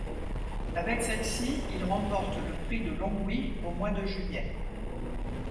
Avec celle-ci, il remporte le Prix de Longwy au mois de juillet.